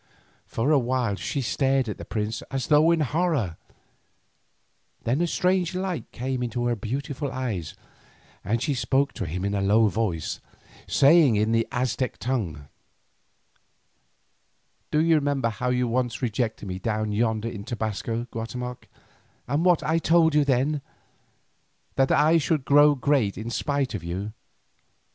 For a while she stared at the prince as though in horror, then a strange light came into her beautiful eyes, and she spoke to him in a low voice, saying in the Aztec tongue: "Do you remember how once you rejected me down yonder in Tobasco, Guatemoc, and what I told you then?—that I should grow great in spite of you?